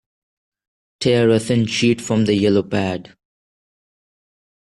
Tear a thin sheet from the yellow pad.